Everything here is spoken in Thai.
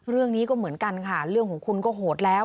เรื่องนี้ก็เหมือนกันค่ะเรื่องของคุณก็โหดแล้ว